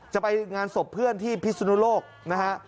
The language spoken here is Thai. จะไปงานศพเพื่อนที่พิสุนุโลกนะฮะ